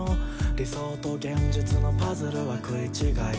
「理想と現実のパズルは食い違い」